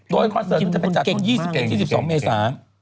โดยคอนเสิร์ตจะเป็นจาก๒๑๒๒เมษา